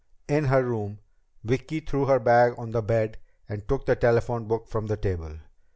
In her room, Vicki threw her bag on the bed and took the telephone book from the table.